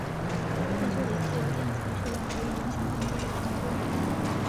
在这里自由电子的数量足以影响电波的传播。